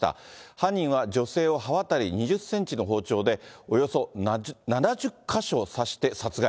犯人は女性を刃渡り２０センチの包丁で、およそ７０か所刺して殺害。